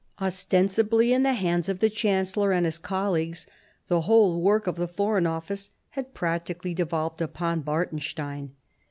Ostensibly in the hands of the Chancellor and his colleagues, the whole work of the foreign office had practically devolved upon Bartenstein.